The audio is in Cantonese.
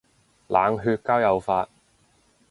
冷血交友法